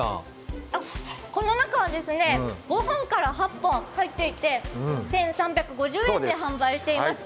この中は５本から８本入っていて１３５０円で販売しています。